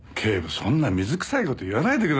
そんな水くさい事言わないでくださいよ。